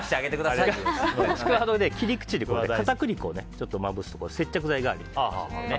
ちくわの切り口に片栗粉をまぶすと接着剤代わりになります。